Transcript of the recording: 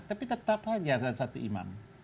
tapi tetap saja dalam satu imam